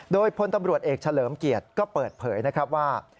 โดยพลตำรวจเอกเฉลิมเกียรติก็เปิดเผยนะครับว่า